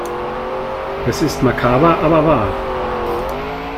Es ist makaber aber wahr.